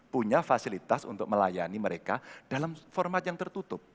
punya fasilitas untuk melayani mereka dalam format yang tertutup